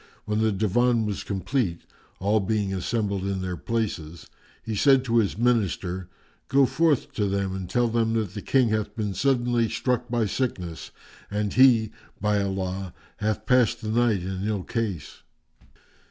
When the Divan was complete all being assembled in their places he said to his Minister, "Go forth to them and tell them that the King hath been suddenly struck by sickness and he, by Allah, hath passed the night in ill case."